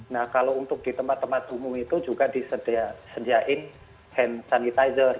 nah kalau untuk di tempat tempat umum itu juga disediakan hand sanitizer